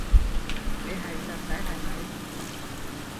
你係孻仔係咪？